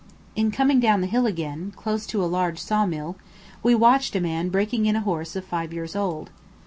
In coming down the hill again, close to a large saw mill, we watched a man breaking in a horse of five years old.